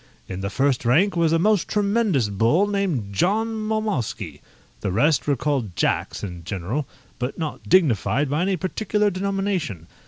In the first rank was a most tremendous bull named John Mowmowsky; the rest were called Jacks in general, but not dignified by any particular denomination.